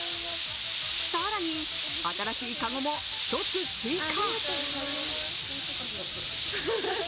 更に、新しい籠も１つ追加。